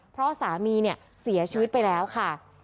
เพราะสามีเนี่ยเสียชีวิตไปแล้วค่ะ